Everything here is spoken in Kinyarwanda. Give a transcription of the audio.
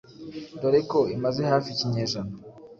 dore ko imaze hafi ikinyejana